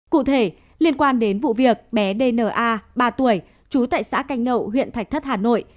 cụ thể liên quan đến vụ việc bé dna ba tuổi trú tại xã canh nậu huyện thạch thất hà nội